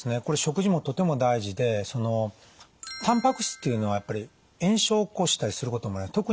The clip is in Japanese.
これ食事もとても大事でそのたんぱく質っていうのはやっぱり炎症を起こしたりすることもある。